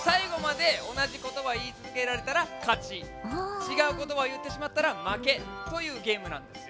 ちがうことばをいってしまったらまけというゲームなんですよ。